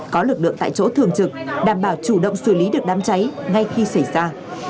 có lực lượng tại chỗ thường trực đảm bảo chủ động xử lý được đám cháy ngay khi xảy ra